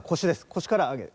腰から上げる。